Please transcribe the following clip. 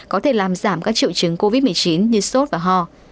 có thể làm giảm các triệu chứng covid một mươi chín như sốt và ho